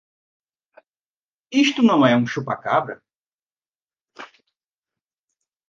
Isto não é um chupa-cabra?